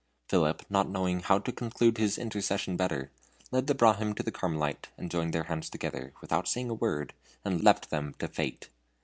Philip, not knowing how to conclude his intercession better, led the Brahmin to the Carmelite, and joined their hands together, without saying a word, and left them to fate.